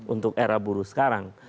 untuk era buruh sekarang